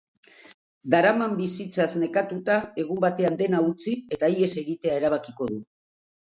Daraman bizitzaz nekatuta, egun batean dena utzi eta ihes egitea erabakiko du.